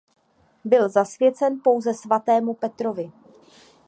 Byl zasvěcen pouze svatému Petrovi.